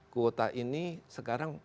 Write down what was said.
kuota ini sekarang